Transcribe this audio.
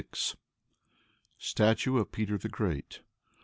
Statue of Peter the Great.